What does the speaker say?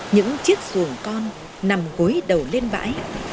những chiếc xuồng con nằm gối đầu lên bãi